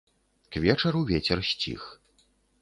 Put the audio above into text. К вечару вецер сціх.